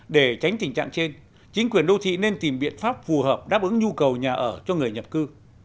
để tránh tình trạng trên chính quyền đô thị nên tìm biện pháp phù hợp đáp ứng nhu cầu nhà ở cho người nhập cư